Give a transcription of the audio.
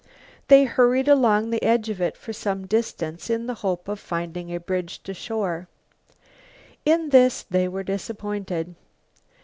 They hurried along the edge of it for some distance in the hope of finding a bridge to shore. In this they were disappointed.